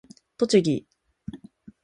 栃木